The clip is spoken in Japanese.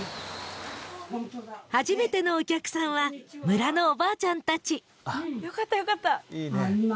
［初めてのお客さんは村のおばあちゃんたち］